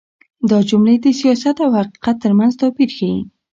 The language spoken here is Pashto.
دا جملې د سياست او حقيقت تر منځ توپير ښيي.